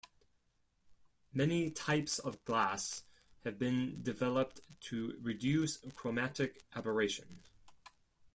Many types of glass have been developed to reduce chromatic aberration.